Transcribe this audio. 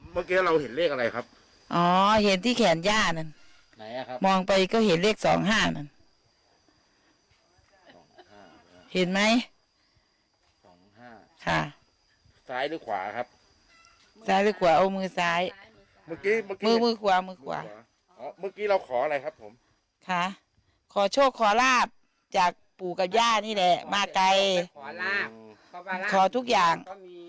เมื่อกี้เราขออะไรครับผมขอโชคขอราบจากปู่กับย่านี่แหละมาไกลขอทุกอย่าง